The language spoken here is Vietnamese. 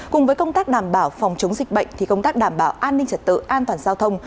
cùng với công tác đảm bảo phòng chống dịch bệnh thì công tác đảm bảo an ninh trật tự an toàn giao thông